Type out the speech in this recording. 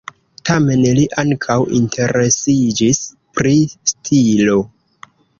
Tamen li ankaŭ interesiĝis pri stilo.